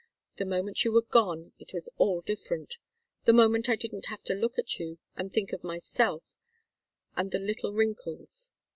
The moment you were gone, it was all different. The moment I didn't have to look at you and think of myself, and the little wrinkles.